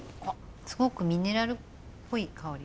すごくミネラルっぽい香り。